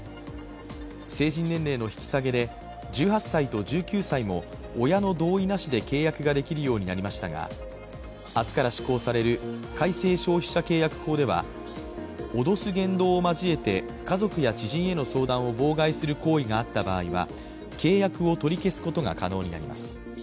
成人年齢の引き下げで１８歳と１９歳も親の同意なしで契約ができるようになりましたが、明日から施行される改正消費者契約法では脅す言動を交えて家族や知人への相談を妨害する行為があった場合は、契約を取り消すことが可能になります。